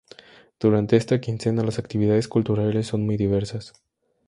Durante esta quincena, las actividades culturales son muy diversas.